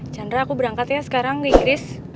chandra aku berangkat ya sekarang ke inggris